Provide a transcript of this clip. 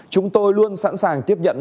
chúng tôi luôn sẵn sàng tiếp nhận